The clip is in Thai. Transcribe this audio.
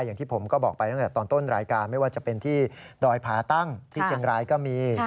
อย่างที่ผมก็บอกไปตั้งแต่ตอนต้นรายการไม่ว่าจะเป็นที่ดอยผาตั้งที่เชียงรายก็มี